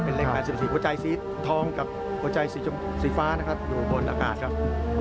เป็นเลข๘๔หัวใจสีทองกับหัวใจสีฟ้านะครับอยู่บนอากาศครับ